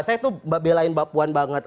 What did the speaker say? saya itu belain bu puan banget